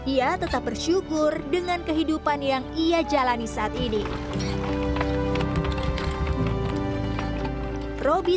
ia tetap bersyukur dengan kehidupan yang ia jalani saat ini